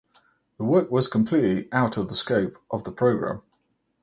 The work was completely out of the scope of the program.